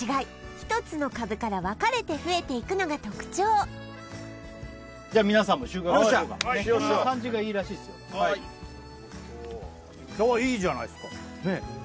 １つの株から分かれて増えていくのが特徴じゃあ皆さんも収穫しようかこんな感じがいいらしいっすよあっいいじゃないすかねえ